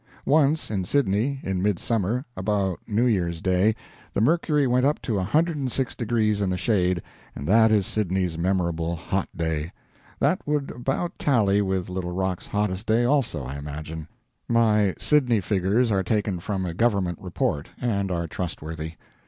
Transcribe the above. Once, in Sydney, in mid summer, about New Year's Day, the mercury went up to 106 deg. in the shade, and that is Sydney's memorable hot day. That would about tally with Little Rock's hottest day also, I imagine. My Sydney figures are taken from a government report, and are trustworthy.